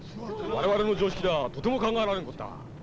我々の常識ではとても考えられんことだ。